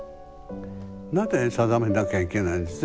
何で定めなきゃいけないんですか？